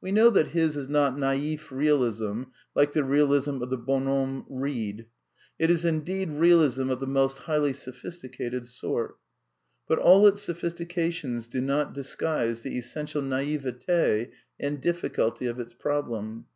We know that his is not " naif realism," like the realism of the bonhomme Reid. It is, indeed, r ealism p f tl^fi jnnsf Vii|flrlilY p|r|pV^'fft^>ntH 5inrt Hut all its sophistications do not disguise the essential naivete and diflBculty of its prob lem.